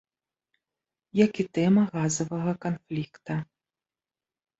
Як і тэма газавага канфлікта.